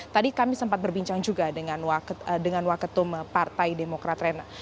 tadi kami sempat berbincang juga dengan waketum partai demokrat rena